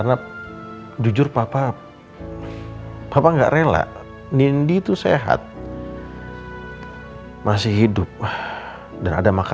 dia pasti masih marah sama gua